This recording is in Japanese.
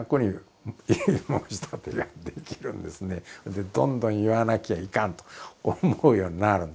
でどんどん言わなきゃいかんと思うようになるんですよ。